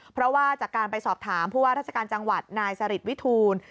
เพราะว่าจากการไปสอบถามผู้ว่าราชการจังหวัดนายสริตวิทูล